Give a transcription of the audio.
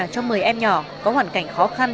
cho một mươi em nhỏ có hoàn cảnh khó khăn